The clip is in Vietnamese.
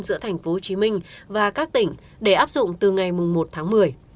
giữa thành phố hồ chí minh và các tỉnh để áp dụng từ ngày một tháng một mươi